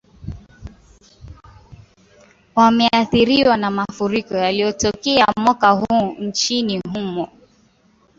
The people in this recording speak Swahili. wameathiriwa na mafuriko yaliyotokea mwaka huu nchini humo